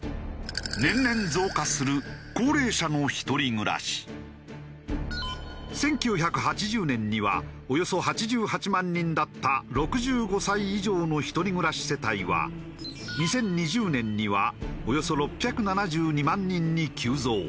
年々増加する１９８０年にはおよそ８８万人だった６５歳以上の一人暮らし世帯は２０２０年にはおよそ６７２万人に急増。